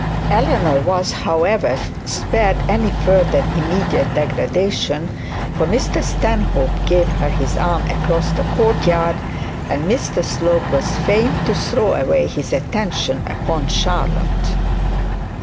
Eleanor was, however, spared any further immediate degradation, for Dr Stanhope gave her his arm across the courtyard, and Mr Slope was fain to throw away his attention upon Charlotte.